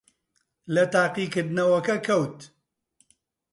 لە تاقیکردنەوەکە کەوت.